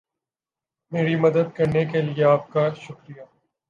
میری مدد کرنے کے لئے آپ کا شکریہ